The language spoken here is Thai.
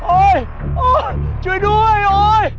โอ้ยช่วยด้วยโอ้ย